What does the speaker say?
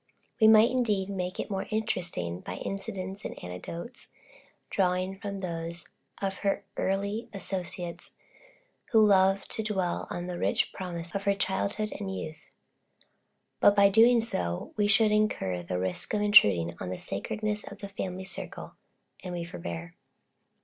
We might indeed make it more interesting by incidents and anecdotes, drawn from those of her early associates who love to dwell on the rich promise of her childhood and youth; but by doing so, we should incur the risk of intruding on the sacredness of the family circle; and we forbear.